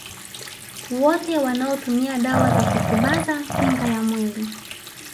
Wote wanaotumia dawa za kufubaza kinga ya mwili